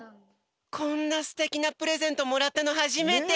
こんなすてきなプレゼントもらったのはじめて！